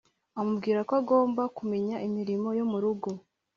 amubwira ko agomba kumenya imirimo yo mu rugo